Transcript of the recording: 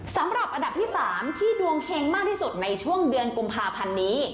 สำหรับอันดับที่๓ที่ดวงเฮงมากที่สุดในช่วงเดือนกุมภาพันธ์นี้